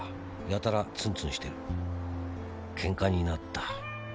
やたらツンツンしてる」「けんかになった」